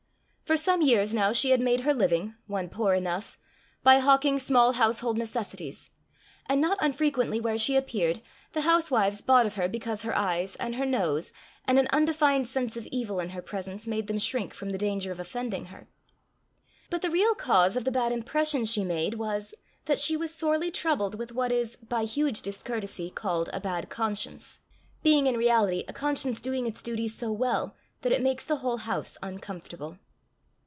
For some years now she had made her living, one poor enough, by hawking small household necessities; and not unfrequently where she appeared, the housewives bought of her because her eyes, and her nose, and an undefined sense of evil in her presence, made them shrink from the danger of offending her. But the real cause of the bad impression she made was, that she was sorely troubled with what is, by huge discourtesy, called a bad conscience being in reality a conscience doing its duty so well that it makes the whole house uncomfortable.